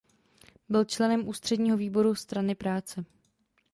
Byl členem ústředního výboru Strany práce.